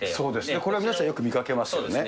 これは皆さん、よく見かけますね。